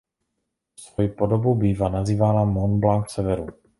Pro svoji podobu bývá nazývána „Mont Blanc severu“.